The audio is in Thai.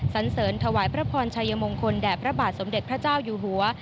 สันเสริญถวายพระพรชัยมงคลแด่พระบาทสมเด็จพระเจ้าอยู่หัว